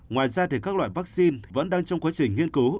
ngoài ra các loại vaccine vẫn đang trong quá trình nghiên cứu